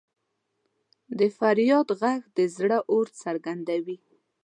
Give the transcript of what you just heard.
د فریاد ږغ د زړه اور څرګندوي.